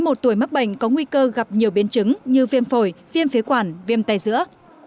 một tuổi mắc bệnh có nguy cơ gặp nhiều biến chứng như viêm phổi viêm phế quản viêm tài giữa